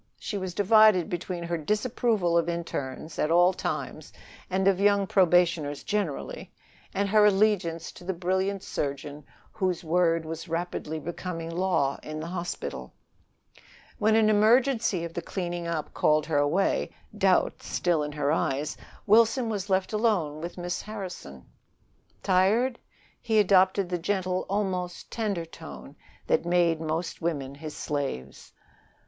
She was divided between her disapproval of internes at all times and of young probationers generally, and her allegiance to the brilliant surgeon whose word was rapidly becoming law in the hospital. When an emergency of the cleaning up called her away, doubt still in her eyes, Wilson was left alone with Miss Harrison. "Tired?" He adopted the gentle, almost tender tone that made most women his slaves.